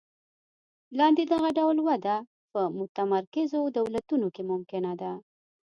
لاندې دغه ډول وده په متمرکزو دولتونو کې ممکنه ده.